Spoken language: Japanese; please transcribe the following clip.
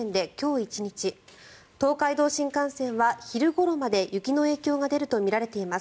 １日東海道新幹線は昼ごろまで雪の影響が出るとみられています。